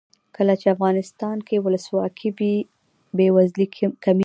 کله چې افغانستان کې ولسواکي وي بې وزلي کمیږي.